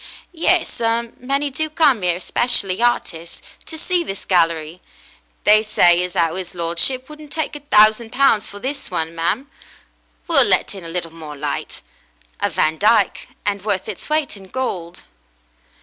"Yes, a many do come 'ere — especially hartists — to see this gallery. They say as 'ow 'is lordship wouldn't take a thousand pounds for this one, ma'm. We'll let in a little more light. A Vandyke — and worth it's weight in gold."